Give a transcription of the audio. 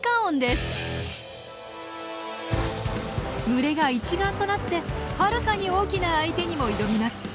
群れが一丸となってはるかに大きな相手にも挑みます。